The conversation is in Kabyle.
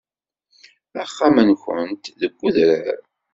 Axxam-nnunt deg udrar.